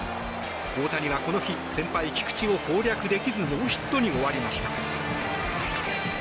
大谷はこの日先輩・菊池を攻略できずノーヒットに終わりました。